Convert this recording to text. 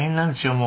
もう。